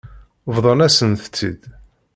Bḍan-asent-t-id.